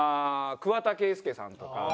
桑田佳祐さんとか。